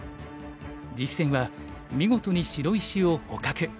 実戦は見事に白石を捕獲。